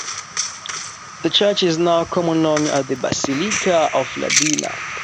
The church is now commonly known as the Basilica of Lidwina.